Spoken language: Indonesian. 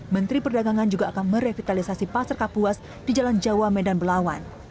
menteri perdagangan juga akan merevitalisasi pasar kapuas di jalan jawa medan belawan